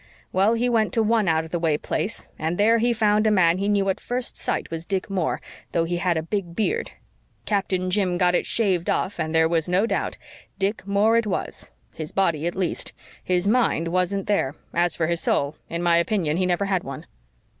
Well, he went to one out of the way place, and there he found a man he knew at first sight it was Dick Moore, though he had a big beard. Captain Jim got it shaved off and then there was no doubt Dick Moore it was his body at least. His mind wasn't there as for his soul, in my opinion he never had one!"